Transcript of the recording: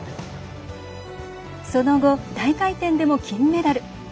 その後大回転でも金メダル。